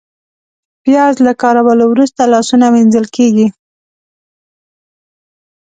پیاز له کارولو وروسته لاسونه وینځل کېږي